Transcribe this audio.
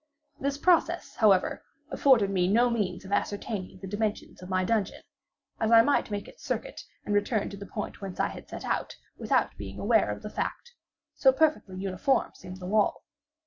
This process, however, afforded me no means of ascertaining the dimensions of my dungeon; as I might make its circuit, and return to the point whence I set out, without being aware of the fact; so perfectly uniform seemed the wall.